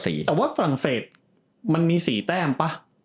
แต่ว่าฝรั่งเศสมันมี๔แต้มป่ะ